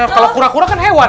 kalau pura pura kan hewan